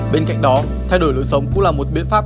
bên cạnh đó thay đổi lối sống cũng là một biện pháp